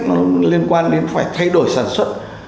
nó liên quan đến phải thay đổi sản xuất